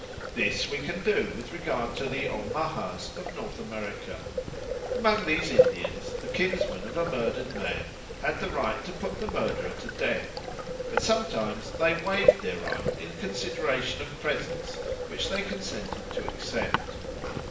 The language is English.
This we can do with regard to the Omahas of North America. Among these Indians the kinsmen of a murdered man had the right to put the murderer to death, but sometimes they waived their right in consideration of presents which they consented to accept.